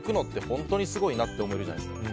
本当にすごいなって思えるじゃないですか。